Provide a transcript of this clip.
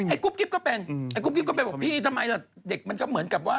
กุ๊กกิ๊บก็เป็นไอ้กุ๊กกิ๊บก็ไปบอกพี่ทำไมล่ะเด็กมันก็เหมือนกับว่า